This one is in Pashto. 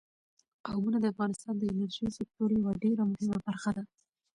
قومونه د افغانستان د انرژۍ سکتور یوه ډېره مهمه برخه ده.